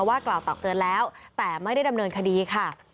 ว่ากล่าวตักเตือนแล้วแต่ไม่ได้ดำเนินคดีค่ะ